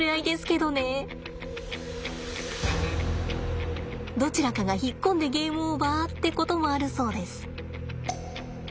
どちらかが引っ込んでゲームオーバーってこともあるそうです。